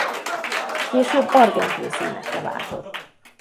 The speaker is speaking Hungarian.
Később argentin színekre váltott.